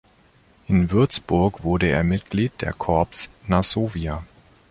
In Würzburg wurde er Mitglied des Corps Nassovia.